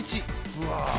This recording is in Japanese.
うわ！